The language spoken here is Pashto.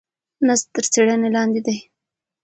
نسج تر څېړنې لاندې دی.